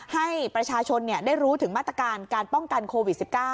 ให้ประชาชนได้รู้ถึงมาตรการการป้องกันโควิด๑๙